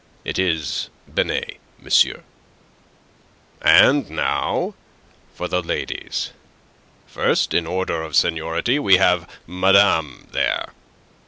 It is Binet, monsieur. "And now for the ladies... First in order of seniority we have Madame there."